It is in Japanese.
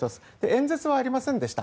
演説はありませんでした。